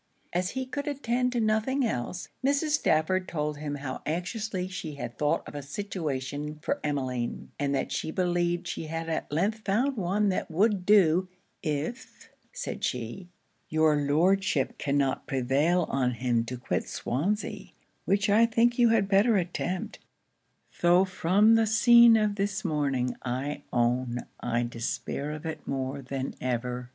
As he could attend to nothing else, Mrs. Stafford told him how anxiously she had thought of a situation for Emmeline, and that she believed she had at length found one that would do, 'if,' said she, 'your Lordship cannot prevail on him to quit Swansea, which I think you had better attempt, though from the scene of this morning I own I despair of it more than ever.